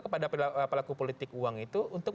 berapa laku politik uang itu untuk